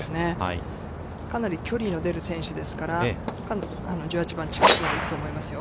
かなり距離の出る選手ですから、１８番、近くまで行くと思いますよ。